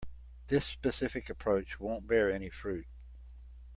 This specific approach won't bear any fruit.